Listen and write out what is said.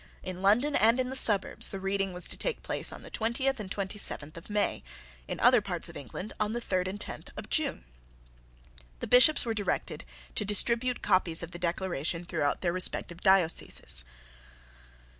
In London and in the suburbs the reading was to take place on the twentieth and twenty seventh of May, in other parts of England on the third and tenth of June. The Bishops were directed to distribute copies of the Declaration through their respective dioceses.